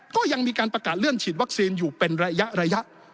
ก็ยังมีการประกาศเลื่อนฉีดวัคซีนอยู่เป็นระยะ